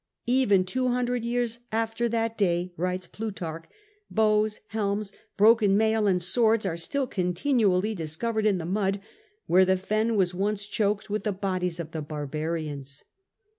"Even two hundred years after that day," writes Plu tarch, "bows, helms, broken mail, and swords are still continually discovered in the mud, where the fen was once choked with the bodies of the barbarians."